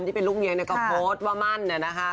ที่เป็นลูกเมียใหม่ก็โบสถ์ว่ามั่นนะคะ